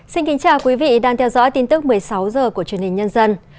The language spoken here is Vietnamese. xin kính chào quý vị đang theo dõi tin tức một mươi sáu h của truyền hình nhân dân